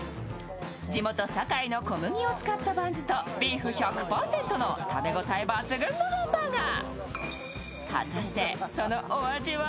地元・堺の小麦を使ったバンズとビーフ１００％の食べ応え抜群のハンバーガー。